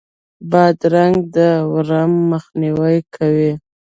بادرنګ د ورم مخنیوی کوي.